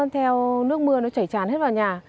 theo nước mưa chảy chàn hết vào nhà